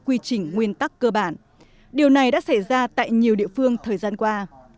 quy trình nguyên tắc cơ bản điều này đã xảy ra tại nhiều địa phương thời gian qua